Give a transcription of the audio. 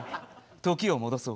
時を戻そう。